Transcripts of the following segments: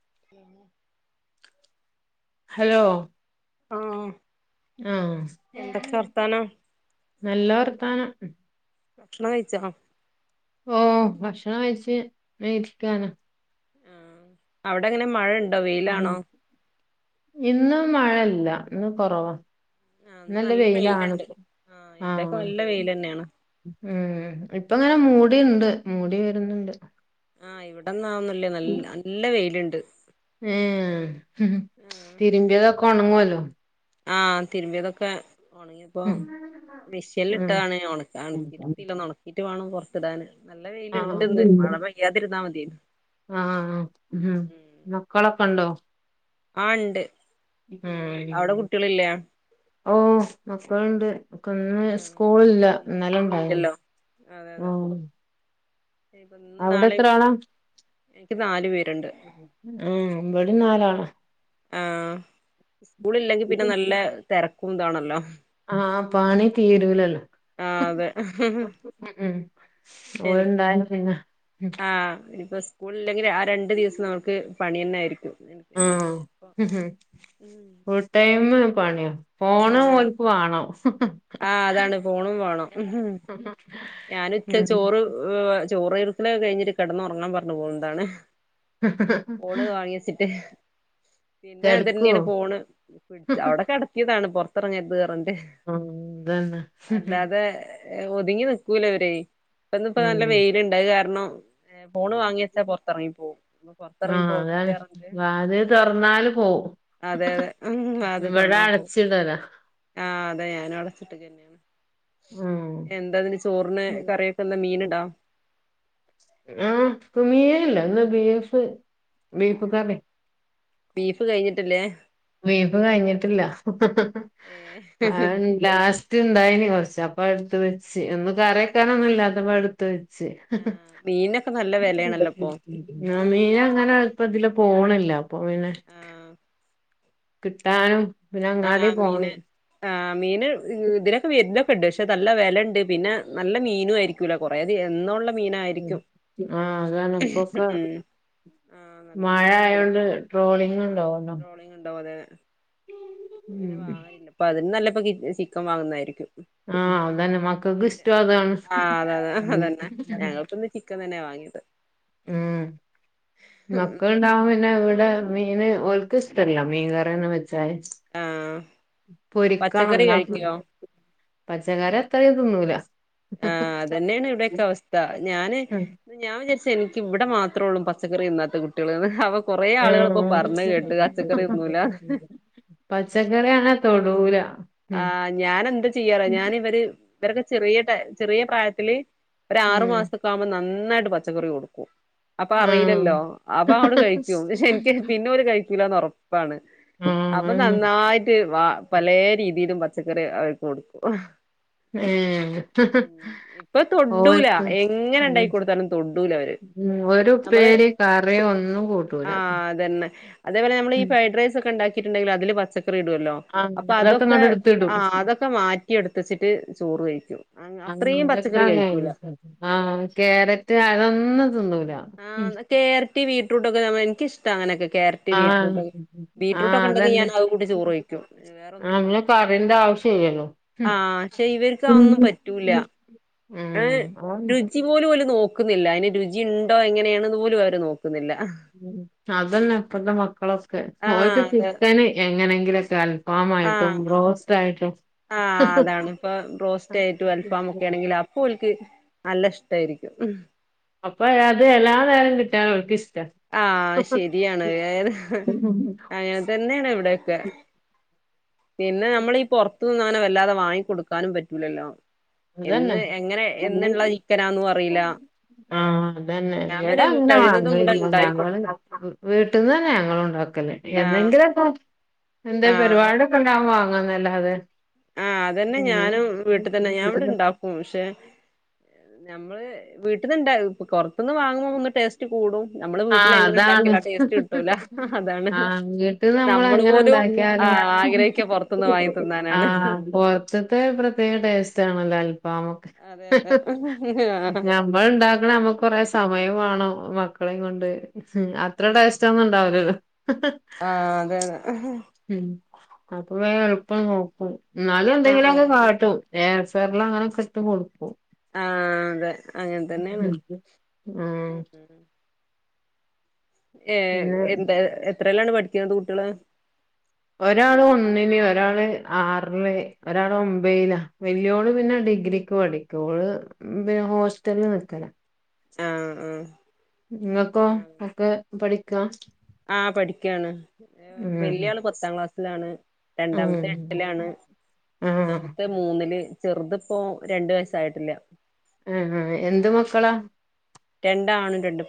[unintelligible] Hello ആഹ് ആഹ് എന്തൊക്കെ വർത്തനം നല്ല വർത്താനം ഭക്ഷണം കഴിച്ചോ ഓ ഭക്ഷണം കഴിച്ചു അങ്ങനെയിരിക്കുകയാണ് ആഹ് [inaudible] അവിടെ ഇങ്ങനെ മഴണ്ടോ വെയിൽ ആണോ. മഴയല്ല ഇന്ന് കുറവ ഇന്ന് നല്ല വെയിലാണ് ഇവിടെയൊക്കെ ആഹ് നല്ല വെയില് തന്നെയാണ് മ് ഇപ്പൊ ഇങ്ങനെ മു ഇവിടിണ്ട് മൂടി വര്ന്ന്ണ്ട്. ആഹ് ഇവടെ ഇന്ന് അതൊന്നുല്ല നല്ല നല്ല വെയില്ണ്ട്. ഹ് ഹ് മ് തിരുമ്പിയതൊക്കെ ഒണങ്ങൊല്ലോ. ആഹ് തിരുമ്പിയതൊക്കെ ഒണങ്ങിയപ്പം ഉം മിഷിന്ല് ഉം ഇട്ടതാണ് ഉണക്കാൻ ഒണക്കീട്ടിട്ടീല്ല ഒന്നൊണക്കി റ്റ് വാണം പൊറത്ത്ടാന്. ആഹ് ഇണ്ട് മതിയേനു ണ്ട് ആഹ് ഉഹും ഉം മക്കളൊക്കെ ണ്ടോ? ആഹ് ഇണ്ട്. ഇന്ന് അവിടെ കുട്ടിയെളില്ലേ? ഓഹ് മക്കള് ണ്ട്. ഓക്ക് ഇന്ന് ആഹ് സ്കൂൾ ഇല്ല ഇന്ന് ഇന്നലെ ഇണ്ടായ്നി സ്കൂളില്ലല്ലോ ഉം. ഇഞ്പം ഇന്നും നാളിം. എനിക്ക് നാല് പേര്ണ്ട്. ഉം ഇവടെം നാല് ആളാ. ആഹ് സ്കൂൾ ഇല്ലെങ്കി പിന്നെ നല്ല തെര [unintelligible] ആ പണി തീരുലല്ലോ ആ അതെ ഓര് എനിക്ക് ണ്ടായ്ന്നു പിന്നെ സ്കൂളില്ലെങ്കില് ആ രണ്ട് ദിവസം നമുക്ക് പണിയെന്നെ ആയിരിക്കും എനിക്ക് അതന്നെ ഞാനിപ്പോ ആഹ് ഉം ഫുൾ ടൈം പണിയാ ഫോണും ഓൽക്ക് വാണം ആ അതാണ് ഫോണും വാണം ഞാൻ ഉം [unintelligible] ചോറ് [unintelligible] കയ്ഞ്ഞിട്ട് കെടന്നൊറങ്ങാൻ പറഞ്ഞ് പോന്നതാണ് ഫോണ് വാങ്ങിവെച്ചിട്ട് പിന്നെ കെടക്കോ തന്നെണ് ഫോണ് പിടിച്ച അവടെ കെടത്യേതാണ് പൊർ [unintelligible] മ് ത് ന്നെ ഒത്ങ്ങി നിക് ക്കൂലവര് പ്പന്ന് പ്പ ഉം നല്ലവെയ്ല്ണ്ട് അഹ് കാരണം ഫോണ് വാങ്ങിവെച്ചാ പൊർതർങ്ങി പോവും അപ്പൊ പോർത്തറങ്ങി ആഹ് പോവരുത് അതാണ് പറഞ്ഞ്ങ്ങാണ്ട് വാതില് തൊറന്നാല് പോവും അതെ അതെ വാതിൽ ഇവടെ തോർന്നാ പോവും അടച്ചിടലാ ആ അതെ ഞാനവടെ ട്ട് കന്നേണ് ഉം എന്തതിന് ച് ചോർന് കറിഒക്കെന്താ മി മീന്ണ്ടോ ആഹ് മീനില്ല ഇന്ന് ബീഫ് ബീഫ് ആ കറി ബീഫ് കൈഞ്ഞിട്ടില്ലേ ബീഫ് കൈഞ്ഞിട്ടില്ല ഏ അഹ് ലാസ്‌റ്റ് ഇണ്ടായിനി കൊർ ച പ്പഹ് എട്ത് വെച്ച് ഒന്നു കറിയെക്കാനൊന്നുല്ലാത്തപ്പ അഹ് എട്ത്ത് വെച്ച് ആ മീനൊക്കെ നല്ല വെലയാണല്ലോ ഇപ്പൊ ച്ച് ആഹ് മീനങ്ങനെപ്പതിലെ പോണില്ലപ്പോ പിന്നെ ആ ക് ട്ടാനും ആഹ് മീന് ആഹ് മീന് ഹ് ഇതിലൊക്കെ വര്ണൊക് ണ്ട് പശേ നല്ല വെലണ്ട് നല്ല മീനു ആയിരിക്കൂല കൊറേ ദി എന്നോള്ള മ് ആഹ് അതാണ് ഇപ്പൊക്കെ ഉം ആഹ് നല്ല മയ മീനായിരിക്കുലേ ആയോണ്ട് ട്രോളിങ്ങുണ്ടാവോലോ അപ്പ പിന്നെ വാങ്ങലില്ല പ്പതിലും നല്ലത് പ് പ കിച് ചിക്കൻ വാങ്ങുന്നയിരിക്കും ആഹ് അതെന്നെ മക്കക്കിഷ്ട്ടോ അതാണ് ആഹ് അതെ അതെ അതന്നെ ഞങ്ങൾക്കിന്ന് ചിക്കൻ തന്നെ വാങ്ങിയത് ഉം മക്കള് ണ്ടാവുമ്പോപിന്നെ വ്ടെ മീന് ഓൽക്കിഷ്ട്ടല്ല മീൻകറിയൊന്നും വെച്ച് ച്ചാല് ആഹ് പൊരിക്കണം പച്ചക്കറി ന്നാപിന് കഴിക്കോ പച്ചക്കറി അത്രീം ത് ന്നൂല ആഹ് അതെന്നെണ് ഇവടെക്കെ അവസ്ഥ ഞാന് ഉം ന്നാ ഞാൻ വിചാരിച്ച് എനി ഇവ്വടെ മാത്രൊള്ളൂ പച്ചക്കറി തിന്നാത്ത കുട്ടികള് ന്ന് അവക് തിന്നൂല [unintelligible] ഉം ആഹ് ഞാനെന്ത ചെയ്യാറിയോ ഞാനിവര് ഇവരൊക്കെ ചെറിയ ടൈ ചെറിയ പ്രായത്തില് ഒരാറു ഉം മാസൊക്കാവുമ്പോ നന്ന് ന്നായിട്ട് പച്ചക്കറി കൊടുക്കും അപ്പ ആഹ് അറിയില്ലല്ലോ അപ്പങ്ങോട്ട് കയ്ക്കും പക്ഷെ എനിക്ക് പിന്നോല് കഴിക്കൂലാന്നൊറപ്പ് പ്പാണ് ആഹ് അപ്പ അതെന്നെ നന്നായിട്ട് വാ പലേ രീത് ഇതും പച്ചക്കറി അവര്ക്ക് കൊടുക്കും ഏഹ് ഇപ്പ തൊഡ്ഡൂല ഓൽക്ക് എങ്ങനെ ഉം ഇണ്ടാക്കി കൊടുത്താലും തൊഡ്ഡൂലവര് ഉം ഒരു നമ്മള് ഉപ്പേരി കറി ഒന്നും കൂട്ടൂല ആഹ് അതന്നെ അതേപോലെ നമ്മള് ഈ ഉം ഫ്രൈഡ് റൈസൊക്കെ ഇണ്ടാക്ക് ക്കീട്ടിണ്ടെങ്കിലും അതില് പച്ചക് കറി ഇടുവല്ലോ അപ്പതൊക് ങ്ങാണ്ടെടുത്തിടും [unintelligible] ചോറ് കഴിക്കും അ അത്രയും പച്ചക്കറി കഴിക്കൂല ആഹ് കാരറ്റ് അതൊന്നും തിന്നൂല ആന്ന് കേരറ്റ് ബീറ്റ്‌റൂട്ടൊക്കെ നമ്മയെന്ത് ക്കിഷ്ടാ അങ്ങനൊക്കെ ക്യാരറ്റ് ആഹ് ബീറ്റ്റൂട്ടൊക്കെ ബീറ്റ്റൂട്ട് ആഹ് ഒക്കെ ഉണ്ടെങ്കിൽ ഞാൻ അതന്നെ അത് കൂട്ടി ചോറ് [unintelligible] കഴിക്കും വേറൊന്നും വേണ്ട എനിക്ക് കറീൻ്റാവശ്യില്ലല്ലോ ആഹ് ക്ഷേ ഇവര്ക്ക് അതൊന്നും പറ്റൂല ആ ഉം രുചി പോലും ഓല് നോക്ക് ക്കുന്നില്ല അയിന് രുചിയിണ്ടോ എങ്ങിനേണ്ന്ന് പോലും അവര് നോക്ക് അതന്നെ ഇപ്പത്തെ മക്കളൊക് കെ ആഹ് ഓൽക്ക് അതെ ചിക്കന് എങ്ങനെങ്കിലൊക്ക് കൽ ഫാമായിട്ടും, ആഹ് ബ്രോസ്റ്റായിട്ടും ആഹ് അതാണ് ഇപ്പ ബ്രോസ്റ്റായിട്ടും അൽഫാമൊക്കേണെങ്കി അപ്പോൽക്ക് നൽ ല്ലഷ്ടായിരിക്കും. അപ്പഴാത് എല്ലാ നേരം കിട്ടിയാലും ഓൽക്കിഷ് ആഹ് ശരിയാണത് ഏത് അയ് അതന്നേണ് ഇവിടെയൊക്കെ പിന്നെ നമ്മളീ പൊറത്തൂന്നങ്ങനെ വ ല്ലാതെ വാങ്ങിക്കൊടുക്കാനും പറ്റൂലല്ലോ ഇതെന്നെ എന്ന് എങ്ങനെ എന്നുള്ള ചിക്കനാന്നും അറിയില്ല ആഹ് അതന്നെ ഞാൻ ഇവിടെ പിന്നെ അങ്ങനെ വാങ്ങ കഴിയുന്നതും ഇവിടെ ഉണ്ടായി കൊടുക്കും [unintelligible] വീട്ടിന്നന്നെ ഞങ്ങളും ഇണ്ടാക്കല് ആഹ് എന്നെങ്കിലൊക്കെ എന്തേം പരിപാടിയൊക്കെ ഇണ്ടാവുമ്പോ വാങ്ങ് ങ്ങാന്നല്ലാതെ ആ അതന്നെ ഞാനും വീട്ട്തന്നെ ഞാൻ ഇവ്ടെണ്ടാക്കും ശെ ഞമ്മൾ വീട്ട്ന്ന് ണ്ടാ പൊറത്ത്ന്ന് വാങ്ങും ഒന്ന് ടെസ്റ്റ് കൂടും നമ്മൾ വീട്ടിന് ആഹ് എങ്ങനെ അതാണ് ണ്ടാക്കിയാൽ ആ ടെസ്റ്റ്‌ കിട്ടൂല അതാണ് ആഹ് വീട്ടിൽ നമ്മൾ അങ്ങനെ പോലും അ ഉണ്ടാക്കിയാലും ആഗ്രഹിക്ക പൊറത്തിന്ന് വാങ്ങിത്തിന്നാണ് അ പൊറത്ത്തെ പ്രത്യേക ടെസ്റ്റ്‌ ആണല്ലോ അതെ അതെ ഞമ്മൾ ണ്ടാക്ണെ ഞമ്മക്ക് കൊറേ സമയം വേണം മ്മാക് മക്കളെയും കൊണ്ട് അത്രേ ടെസ്റ്റ്‌ ഒന്നും ണ്ടാവൂലല്ലോ ഹ് ഹ് ആ അതെ അതെ അഹ് വെ എൾപ്പം നോക്കും എന്നാലും ആഹ് എന്തെങ്കിലൊക്കെ അതെ കാട്ടും ഏ വെള്ള അങ്ങനക്കെ ഇട്ട് കൊടുക്കും ആ ആ അതെ അങ്ങനെ തന്നെയാണ് [unintelligible] ആ ഏ എന്താ എത്ത എത്രേലാണ് പഠിക്കുന്ന കുട്ടികൾ ഒരാൾ ഒന്നിൽ ഒരാൾ ആറിൽ ഒരാൾ ഒബൈല വെല്ലിയോൾ പിന്ന ഡിഗ്രിക്ക് പഠിക്കാ ഓൾ ഹോസ്റ്റൽ നിക്കണ ആ ആ ങ്ങക്കൊ മക്കെ പടി ആ ആ പഠിക്കാൻ ഉം വെല്യ ആൾ പത്താം ക്ലാസ്സിൽ ആണ് രണ്ടാമത്തെ ഉം എട്ടിൽ ആഹ് മൂന്നാമത്തെ മൂനിൽ ചെറുത് പ്പോ രണ്ട് വയസ്സ് ആയിട്ടില്ല ആ ആ എന്ത് മക്കളാ രണ്ട് ആണും രണ്ട് പെണ്ണും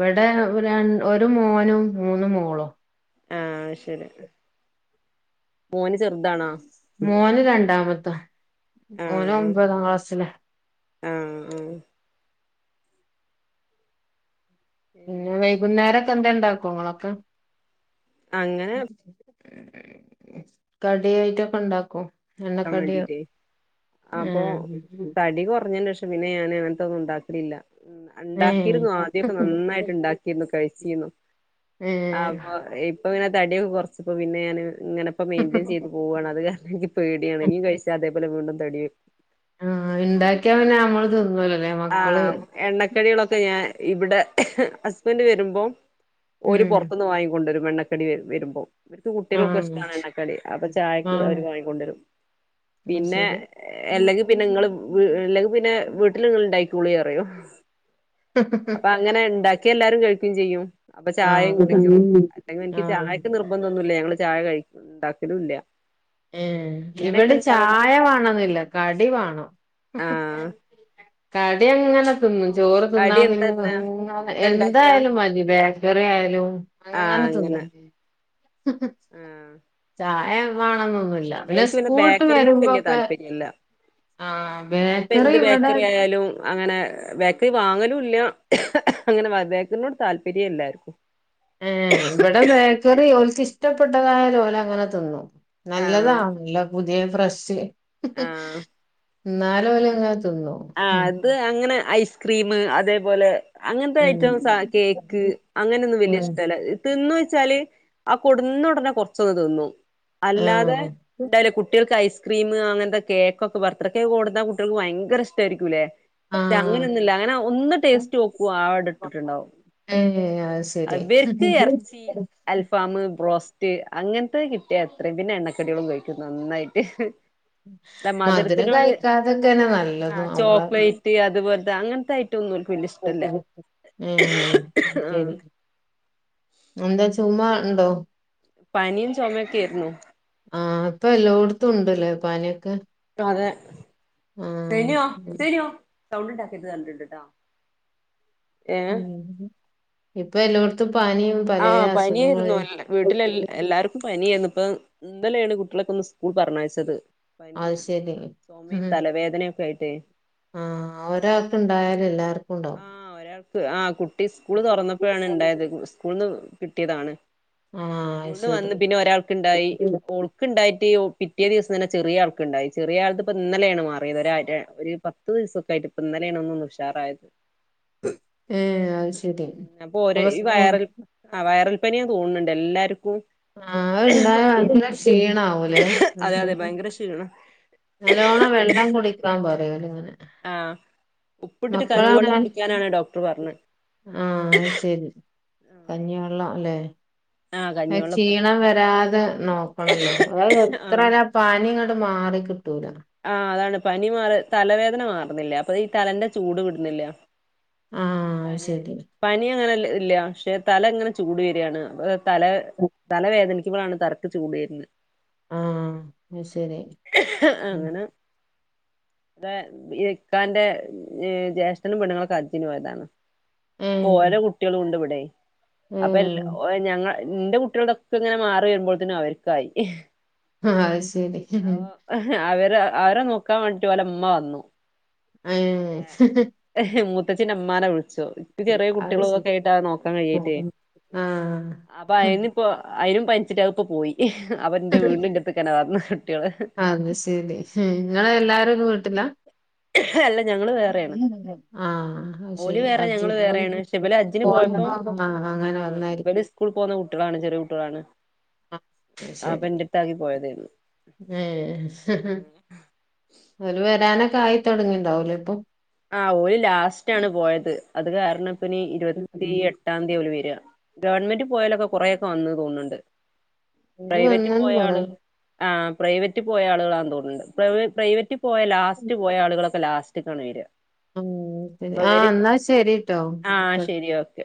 വിടെ ഒരാൺ ഒരു മോനും മൂന് മോളും ആ അശ്ശരി മോൻ ചെറുതാണോ മോൻ രണ്ടാമത്തെ മോൻ ആഹ് ഒബതാം ക്ലാസ്സില ആഹ് ആഹ് പിന്നെ ഏ വൈകുന്നേരം എന്തേലും ഉണ്ടാക്കുമോ അങ്ങനെ കടിയായിട്ടോക്കെ ഒണ്ടാകും ക്കാൻ വേണ്ടീട്ടേ അപ്പൊ ഏഹ് തടി കുറഞ്ഞേഷം പിന്നെ ഞന് അങ്ങനത്തൊന്നും ഉണ്ടാകലില്ല മ് അണ്ടാക്കിയിരുന്നു ആദ്യക്കെ ഏഹ് നന്നായിട്ട് ഉണ്ടാക്കിരുന്നു കഴിച്ചിന്നു ഏഹ് അപ്പൊ ഇപ്പൊ തടിയൊക്കെ കൊറച്ചപ്പൊ പിന്നെ ഞാന് ഇങ്ങനെപ്പം മെയിൻ്റെൻ ചെയ്ത് പോവാ ണ് അത് കാരണം പേടിയാണ് ഇനീം കഴിച്ചാ വീണ്ടും തടിയും ആ ഇണ്ടാക്യാ പിന്നെ നമ്മള് [unintelligible] ആ എണ്ണക്കടികളൊക്കെ ഞാൻ ഇവിടെ [inaudible] ഹസ്ബൻഡ് വരുമ്പൊ ഓര് ഉം പുറത്തുന്ന് വാങ്ങിക്കൊണ്ടരും എണ്ണ. [unintelligible] വരുമ്പോ ഇപ്പഴ്‌ത്തെ കുട്ടികൾക് ആഹ് ഇഷ്ടാണ് കടി. അപ്പൊ ചായക്ക് ആഹ് അവര് വാങ്ങികൊ ണ്ടെരും. അത് പിന്നെ ശരി അല്ലെങ്കിൽ പിന്നെ ങ്ങൾ അല്ലെങ്കിൽ പിന്നെ വീട്ടി ആയിക്കോളി അറയൊ അപ്പഅങ്ങനെ ഇണ്ടാ എല്ലാരും കഴിയ്കേം ചെയ്യും. അപ്പൊ ചായയും ആഹ് കുടിക്കും അല്ലെങ്കിൽ എനിക്ക് ആഹ് ചായക്ക് നിർബന്ധോന്നുല്ല ഞങ്ങള് ചായ കഴി ഉണ്ടാക്കലുല്ല ഏ ഇവിടെ ചായ വേണംന്നില്ല കടി വാ ണം [unintelligible] ആഹ് കടി എങ്ങനെ [unintelligible] ചോറ് കടി തിന്നാൻ എന്താന്ന് എന്താ [inaudible] ഇണ്ടാക്കാ എന്തായാലും മതി ബേക്കറി ആയാലും അങ്ങനെ തിന്നും ആഹ് ചായ ഏഹ് [inaudible] [inaudible] പിന്നെ ഇവൽക്ക് സ്കൂൾട്ട് ബേക്കറിനോട് വല്യ വരുമ്പോക്കെ താല്പര്യല്ല ആ ഇപ്പൊ ബേക്കറി എന്ത് ഇവിടെ ബേക്കറി ആയാലും അങ്ങനെ ബേക്കറി വാങ്ങലും ഇല്ല അ അ ങ്ങനെ ബേക്കറിനോട് താല്പര്യ എല്ലായിരിക്കും ഏ ഇവിടെ ബേക്കറി ഒരു [inaudible] ഇഷ്ടപ്പെട്ടതായലെ ഓലങ്ങനെ തിന്നു ആഹ് നല്ലതാ [unintelligible] ദേ ഫ്രഷ് മ് ഹ്ഹ് ആഹ് ന്നാലും ആഹ് ഓലങ്ങനെ തിന്നോ ആഹ് അത് അങ്ങനെ ഐസ്ക്രീം അതേ പോലെ അങ്ങനത്തെ ഉം ഐറ്റംസ കേക്ക് അങ്ങനൊന്നും വല്യ ഉം ഇഷ്ടല്ല വെച്ചാൽ അത് കൊടുന്നുടനെ കുറച്ചങ്ങു തിന്നും അല്ലാതെ ആഹ് ണ്ടേൽ കുട്ടികൾക്ക് ഐസ് [inaudible] ക്രീം അങ്ങനത്തെ കേക്കൊക്കെ ബർത്ത്ഡേ കേക്ക് കൊടുത്താൽ കുട്ടികള്‍ക്ക് ഭയങ്കര ഇഷ്ട്ടായിരിക്കൂലേ ത് ആഹ് അങ്ങനെയൊന്നുല്ല അങ്ങനെ ഒന്ന് ടേസ്റ്റ് നോക്കും അ അവിടെ ഇട്ട്ട്ടുണ്ടാവും ഏഹ് അത് ശരി അവർക്ക് ഇറച്ചി അൽഫാം ബ്രോസ്റ് ത് അങ്ങനത്തത് കിട്ടിയ എത്രയും പിന്നെ എണ്ണക്കടികളും കഴിക്കും നന്നായിട്ട് അല്ല മധുരം മധുരത്തിനോട് കഴിക്കാതെതന്നെ നല്ലതും നമ്മളെ ത് അങ്ങനത്തെ ഒന്നും ഓൽക്ക് വല്യ ഇഷ്ടല്ല ആ [unintelligible] ഉണ്ടോ പനിം ചുമയൊക്കെ ആയിരുന്നു ആഹ് ഇപ്പൊ എല്ലോടത്തും ഉണ്ട് ലേ പനിയൊക്കെ അതെ ആഹ് സിനുഓ സിനു സൗണ്ട് ഇണ്ടാക്കരുതെന്ന്‌ പറഞ്ഞിട്ടുണ്ട് ട്ടോ ഏ ഉം ഇപ്പൊ എല്ലോടത്തും പനിയും ആ പലേ പനി അസുഖങ്ങള് ആയിരുന്നു വീട്ടില് എല്ലാർക്കും പനി ആയിരുന്നു ഇപ്പോം ഇന്നലേണ് കുട്ടികളൊക്കെ ഒന്ന് സ്കൂൾ പറഞ്ഞയച്ചത് പനിം അത് ശരി ചൊമയും ഉം തലവേദനയൊക്കെയായിട്ട് ദേ ആഹ് ഒരാൾക്ക് ഉണ്ടായാല് എല്ലാർക്കും ഉണ്ടാവും ആ ഒരാൾക്ക് ആ കുട്ടി സ്കൂൾ തുറന്നപ്പോഴാണ് ഇണ്ടായത് ന്ന് കിട്ടിയതാണ് ആഹ് അത് സ്കൂൾന്ന് ശരി വന്നു പിന്നെ ഒരാ പിറ്റേ ദിവസം തന്നെ ചെറിയ ആൾക്കുണ്ടായി ചെറിയ ആൾക്ക് ഇപ്പൊ ഇന്നലെ ആണ് മാറിയത് ഒരു പത്തു ദിവസമായിട്ട് ഇന്നലെ ആണ് ഒന്ന് ഉഷാറായത് ഏ അത്ശെരി അപ്പൊ സ്കൂൾ ആ വൈറൽ പനിയാ തോന്നണുണ്ട് എല്ലാരും ആ അത് ഇണ്ടായ നല്ല ഷീണം ആവൂലെ അതെ അതെ ഭയങ്കര ക്ഷീണ നല്ലോണം വെള്ളം കുടിക്കാ വെറയലിങ്ങനെ ആഹ് ഉപ്പിട്ടിട്ട് കഞ്ഞിവെള്ളം മക്കളങ്ങനെ കുടിക്കാനാണ് ഡോക്ടർ പറഞ്ഞത് ആ അയ്ശെരി കഞ്ഞിവെള്ളാ ലേ ആഹ് ആ കഞ്ഞിവെള്ളം ഉപ്പിട്ടിട്ട് ക്ഷീണം വരാതെ നോക്കണംല്ലോ അത്‌ എത്ര ആഹ് യായാലും പനി അങ്ങ്ട് മാറി കിട്ടൂല്ല ആ അതാണ് പനി മാറി തലവേദന മാറുന്നില്ല അപ്പൊ ഇ തലന്റെ ചൂട് വിടുന്നില്ല ആഹ് അത് പനി ശരി പനി അങ്ങനെയെല്ലേ ഇല്ല പക്ഷേ തല ഇങ്ങനെ ചൂട് വരുകയാണ് തല തല വേദനി ഇപ്പളാണ് തരക്ക് ചൂട് ര്ണെ ആ അയ്ശരി അങ്ങനെ തെ എ ഇക്കാന്റെ എ ജേഷ്ടനും പെണ്ണുങ്ങളും ക്കെകാലത്തിനു പോയതാ ഇപ്പ ഏഹ് ഓല കുട്ടിളും ഇണ്ട് ഇവിടെ അപ്പ എല്ല ഏഹ് ഓരെ ഞങ്ങളെ ന്റ് കുട്ടിൾതൊക്കെ ങ്ങനെ മാറി വര് മ്പോൾത്തിന് അവര്ക്ക് ആയി ഹാ അയ് ശരി മ് അവര് അവരെ നോക്കാൻ വേണ്ടിട്ട് ഓലെ ഉമ്മ വന്നു ഏഹ് പിന്നെ ഹ് മൂ ത്തച്ചിന്റെ ഇമ്മാനെ വിള് ച്ചു ഇൻക്ക് ചെറിയ അത് കുട്ടിളുതൊ ശരി ക്കെയായിട്ട് നോക്കാൻ കഴിയേട്ട് അപ്പ ആഹ് അയിന് ഇപ്പൊ അയിനും പനിച്ചിട്ട് അത്‌ ഇപ്പൊ പോയി അപ്പ ന്റെ വീണ്ടും ന്റട്ത്ക്കെന്നെ വന്നു കുട്ടിള് ഇങ്ങള് എല്ലാരും ഒരു വീട്ടിലാ അല്ല ഞങ്ങള് വേറെയാണ് ആ അയ് ഓല് ശരി വേറെ അജ്ജ് ഞങ്ങള് വേറെയാണ് പക്ഷെ ഇബല് ഹജ്ജിന് പോയപ്പോ അ ആ അങ്ങനെ ആഹ് വന്ന ആയിരി ഇവര് സ്കൂളിൽ പോകുന്ന കുട്ടികളാണ് ചെറിയ കുട്ടികളാണ് അ അഹ്‌ അപ്പൊ ശരി എന്റെടുത്താക്കി പോയതായിരുന്നു ഏ ഹ് ഹ് അവല് വേ വരാനൊക്കെ ആയി തൊടങ്ങിണ്ടാ വുല്ലെ ഇപ്പം ആ ഓൽ ലാസ്റ്റ് ആണ് പോയത് അത് കാരണം ഇപ്പം ഇനി ഇരുവത്തി എട്ടാ ന്തി ഓല് വര് ഗവണ്മന്റ് പോയാലൊക്കെ കുറേ ഒക്കെ വന്ന് തോൺണ്ട് ഓല് പ്രൈവറ്റ് വന്ന്ണ് പോയ കൊറേ ആള് ആ പ്രൈവറ്റ് പോയാ ആള്കളാൺ തോൺ ണ്ട് പ്രൈവ പ്രൈവറ്റ് പോയ ലാസ്റ്റ് പോയാളുകളൊ ലാസ്റ്റിക്ക് ആണ് വര് അമ് പിന്നെ ആ എന്നാ ശരീട്ടൊ ആഹ് ശരി ഓക്കെ